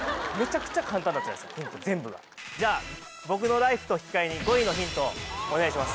だって全部がじゃあ僕のライフと引き換えに５位のヒントお願いします